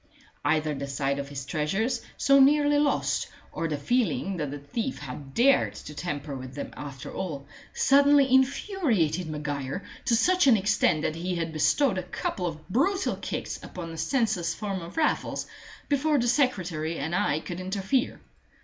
Either the sight of his treasures, so nearly lost, or the feeling that the thief had dared to tamper with them after all, suddenly infuriated Maguire to such an extent that he had bestowed a couple of brutal kicks upon the senseless form of Raffles before the secretary and I could interfere.